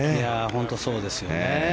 本当にそうですよね。